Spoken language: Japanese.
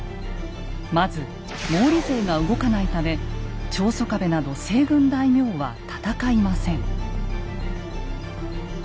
まず毛利勢が動かないため長宗我部など西軍大名は戦いません。